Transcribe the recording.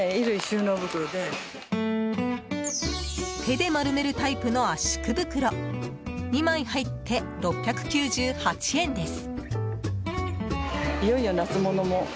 手で丸めるタイプの圧縮袋２枚入って６９８円です。